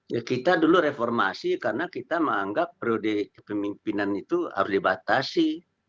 ya kita dulu reformasi karena kita menganggap periode kepemimpinan itu harus dibatasi